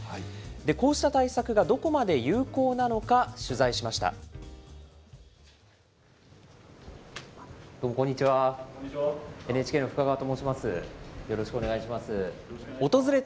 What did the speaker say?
こうした対策がどこまで有効なのか取材しました。